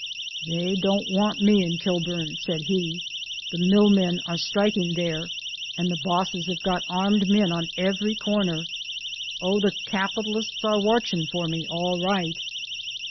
"They don't want me in Kilburn," said he, "the mill men are strikin' there, and the bosses have got armed men on every corner. Oh, the capitalists are watchin' for me, all right."